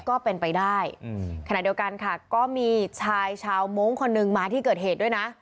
ก็เป็นไปได้ขณะเดียวกันค่ะก็มีชายชาวมงค์คนหนึ่งมาที่เกิดเหตุด้วยนะ